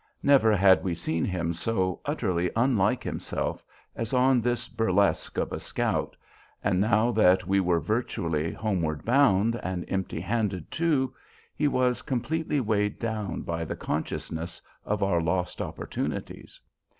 Never had we seen him so utterly unlike himself as on this burlesque of a scout, and now that we were virtually homeward bound, and empty handed too, he was completely weighed down by the consciousness of our lost opportunities.